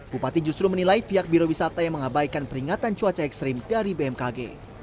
bupati justru menilai pihak biro wisata yang mengabaikan peringatan cuaca ekstrim dari bmkg